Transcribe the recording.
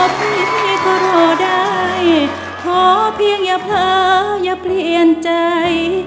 พี่ก็รอได้ขอเพียงอย่าเผลออย่าเปลี่ยนใจ